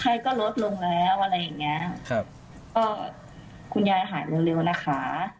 ใครก็ลดลงแล้วอะไรอย่างนี้คุณยายหายเร็วนะคะ